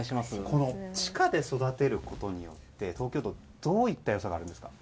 地下で育てることによってどういった良さがあるんですか？